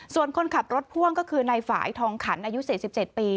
ส่วนคนขับรถพ่วงก็คือในฝ่ายทองขันอายุ๔๗ปี